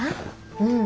うん。